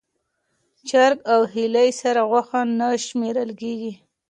چرګ او هیلۍ سره غوښه نه شمېرل کېږي.